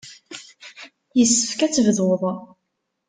Yessefk ad tebduḍ.